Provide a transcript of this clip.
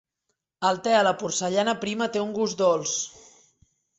El te a la porcellana prima té un gust dolç.